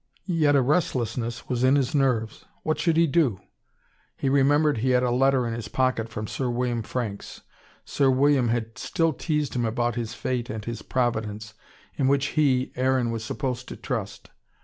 Yet a restlessness was in his nerves. What should he do? He remembered he had a letter in his pocket from Sir William Franks. Sir William had still teased him about his fate and his providence, in which he, Aaron, was supposed to trust.